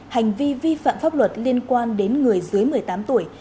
hành vi vi phạm pháp luật liên quan đến người dưới một mươi tám tuổi